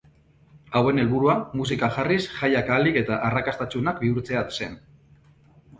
Hauen helburua musika jarriz jaiak ahalik eta arrakastatsuenak bihurtzea zen.